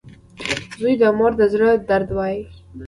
• زوی د مور د زړۀ درد دوا وي.